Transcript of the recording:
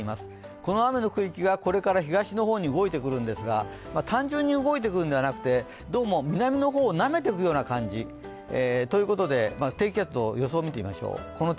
この雨の区域がこれから東の方に動いてくるんですが、単純に動いてくるんではなくてどうも南の方をなめていくような感じということで低気圧の予想を見てみましょう。